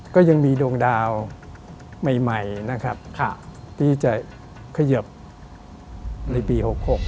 ก็ยังมีดวงดาวใหม่นะครับที่จะเขยิบในปี๖๖